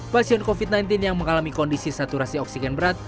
pasien covid sembilan belas yang mengalami kondisi saturasi oksigen berat